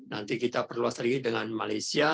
nanti kita perluas lagi dengan malaysia